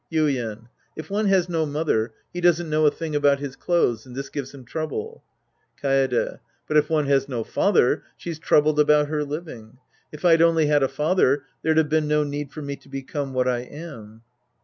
Yuien. If one has no mother, he doesn't know a thing about his clothes, and this gives him trouble. Kaede. But if one has no father, she's troubled about her living. If I'd only had a father, there'd have been no need for me to become what I am.